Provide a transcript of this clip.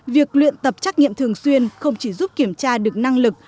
việc luyện tập trách nhiệm thường xuyên không chỉ giúp kiểm tra được năng lực